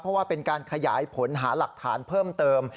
เพราะว่าเป็นการขยายผลหาหลักฐานเพิ่มเติม